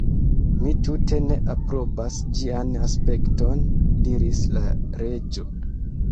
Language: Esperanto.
"Mi tute ne aprobas ĝian aspekton," diris la Reĝo.